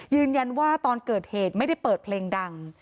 ยืนยันว่าตอนเกิดเหตุไม่ได้เปิดเพลงดัง